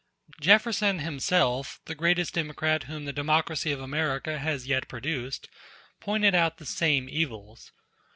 Jefferson himself, the greatest Democrat whom the democracy of America has yet produced, pointed out the same evils.